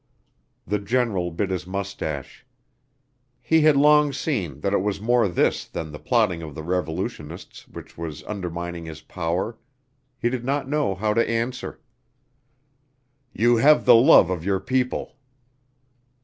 The General bit his moustache. He had long seen that it was more this than the plotting of the Revolutionists which was undermining his power. He did not know how to answer. "You have the love of your people."